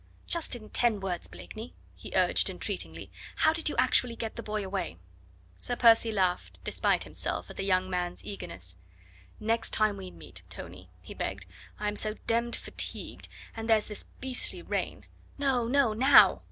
"Just in ten words, Blakeney," he urged entreatingly; "how did you actually get the boy away?" Sir Percy laughed despite himself at the young man's eagerness. "Next time we meet, Tony," he begged; "I am so demmed fatigued, and there's this beastly rain " "No, no now!